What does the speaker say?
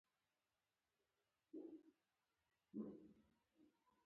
چارليس د معمول له مخې خبرې کولې.